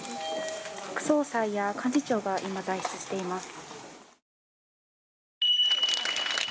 副総裁や幹事長が今、在室しています。